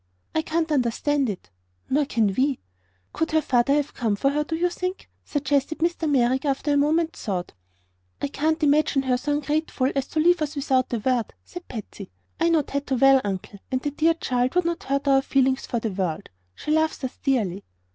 "I can't understand it." "Nor can we." "Could her father have come for her, do you think?" suggested Mr. Merrick, after a moment's thought. "I can't imagine her so ungrateful as to leave us without a word," said Patsy. "I know Tato well, Uncle, and the dear child would not hurt our feelings for the world. She loves us dearly."